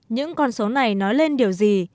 những con số này nói lên điều gì